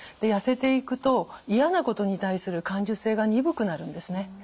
痩せていくと嫌なことに対する感受性が鈍くなるんですね。